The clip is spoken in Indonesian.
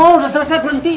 udah selesai berhenti